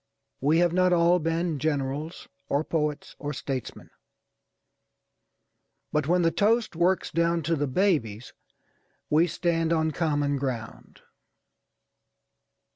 We have not all been generals, or poets, or statesmen; but when the toast works down to the babies, we stand on common ground.